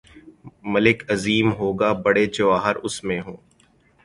ملک عظیم ہو گا، بڑے جواہر اس میں ہوں۔